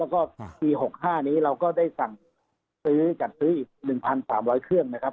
แล้วก็ปี๖๕นี้เราก็ได้สั่งซื้อจัดซื้ออีก๑๓๐๐เครื่องนะครับ